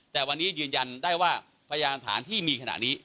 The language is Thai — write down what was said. แต่วันนี้ยืนยันได้ว่าพยานฐานที่มีขณะนี้